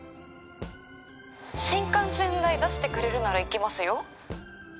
新幹線代出してくれるなら行きますよ。